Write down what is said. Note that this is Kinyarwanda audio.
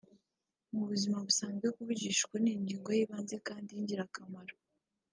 Mu buzima busanzwe kuvugisha ukuri ni ingingo y’ibanze kandi y’ingirakamaro